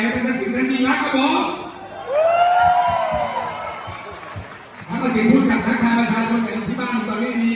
สำหรับคุณถูกเข้าจะหยุดแนว